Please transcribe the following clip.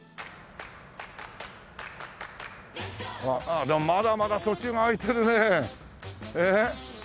ああまだまだ土地が空いてるねえ。